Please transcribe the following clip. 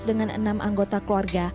dengan enam anggota keluarga